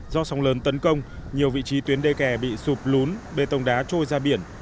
do sóng lớn tấn công nhiều vị trí tuyến đê kè bị sụp lún bê tông đá trôi ra biển